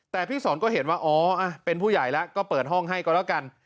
แต่พี่สอนก็เห็นว่าอ๋อเป็นผู้ใหญ่แล้วก็เปิดห้องให้ก็แล้วกัน